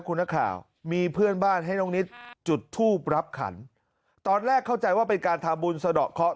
คุณนักข่าวมีเพื่อนบ้านให้น้องนิดจุดทูบรับขันตอนแรกเข้าใจว่าเป็นการทำบุญสะดอกเคาะ